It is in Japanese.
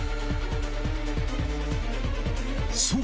そう！